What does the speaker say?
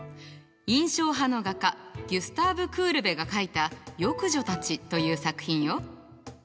印象派の画家ギュスターヴ・クールベが描いた「浴女たち」という作品よ。